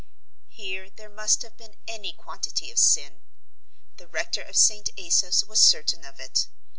Here there must have been any quantity of sin. The rector of St. Asaph's was certain of it.